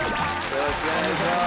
よろしくお願いします。